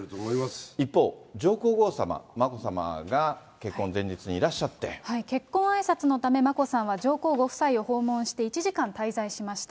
一方、上皇后さま、眞子さま結婚あいさつのため、眞子さんは上皇ご夫妻を訪問して１時間滞在しました。